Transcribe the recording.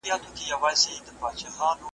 دروازې د ښوونځیو مي تړلي .